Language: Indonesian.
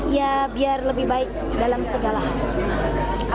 ya biar lebih baik dalam segala hal